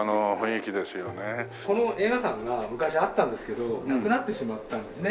この映画館が昔あったんですけどなくなってしまったんですね